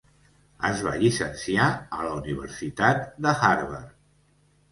Es va llicenciar a la Universitat de Harvard.